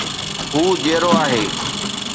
هو جيئرو آهي